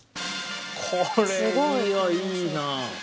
これいやいいな。